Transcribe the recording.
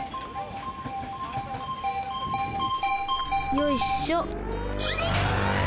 よいっしょ。